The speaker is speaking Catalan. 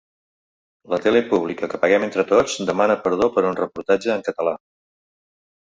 La tele pública que paguem entre tots demana perdó per un reportatge en català.